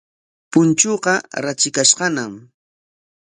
Punchuuqa ratrikashqañam.